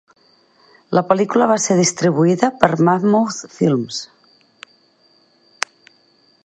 La pel·lícula va ser distribuïda per Mammoth Films.